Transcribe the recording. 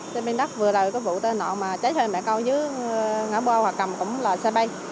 xe bên đất vừa đời có vụ tai nạn mà cháy xe mẹ con dưới ngõ bô hòa cầm cũng là xe bay